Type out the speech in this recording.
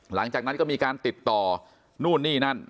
หลังจากนั้นก็มีการติดต่อนู่นนี่นั่น